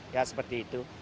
ya seperti itu